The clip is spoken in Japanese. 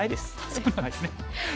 そうなんですね。